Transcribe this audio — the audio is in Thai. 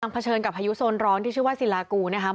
เผชิญกับพายุโซนร้อนที่ชื่อว่าศิลากูนะครับ